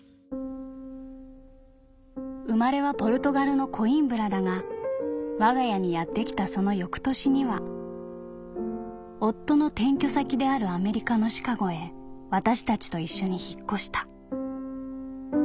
「生まれはポルトガルのコインブラだが我が家にやってきたその翌年には夫の転居先であるアメリカのシカゴへ私たちと一緒に引っ越した。